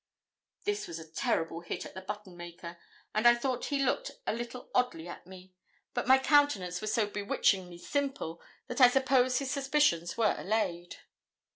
This was a terrible hit at the button maker, and I thought he looked a little oddly at me, but my countenance was so 'bewitchingly simple' that I suppose his suspicions were allayed.